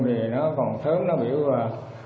thì nó còn sớm nó biểu là